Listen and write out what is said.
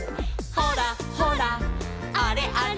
「ほらほらあれあれ」